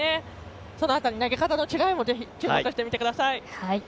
その辺り投げ方の違いにも注目してみてください。